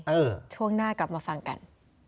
ช่วงหน้ากลับมาฟังกัน